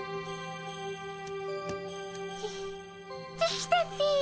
できたっピ。